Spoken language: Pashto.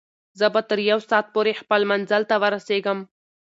زه به تر یو ساعت پورې خپل منزل ته ورسېږم.